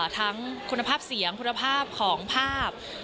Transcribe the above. ทั้งคุณภาพเสียงคุณภาพของภาพ